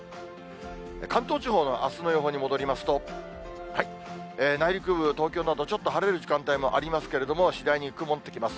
関東地方のあすの予報に戻りますと、内陸部、東京などちょっと晴れる時間帯もありますけれども、次第に曇ってきます。